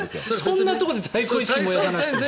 そんなところで対抗意識を燃やさなくても。